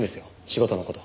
仕事の事。